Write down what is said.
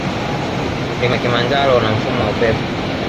Mlima kilimanjaro una mfumo wa upepo